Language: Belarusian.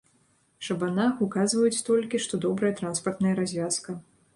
Шабанах, указваюць толькі, што добрая транспартная развязка.